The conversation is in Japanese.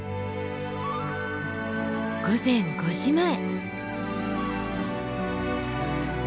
午前５時前。